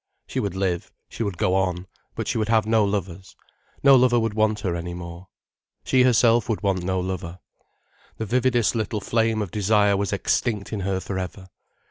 She would live, she would go on, but she would have no lovers, no lover would want her any more. She herself would want no lover. The vividest little flame of desire was extinct in her for ever.